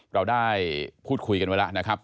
เราได้พูดคุยกันไว้แล้วนะครับ